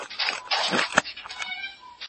انټرنیټ د ښو فرصتونو دروازې پرانیزي.